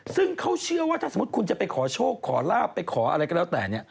ซึ่งเขาเชื่อว่าถ้าสมมุติคุณจะไปขอโชคขอลาบไปขออะไรก็แล้วแต่เนี่ย